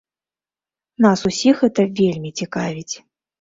Нас усіх гэта вельмі цікавіць.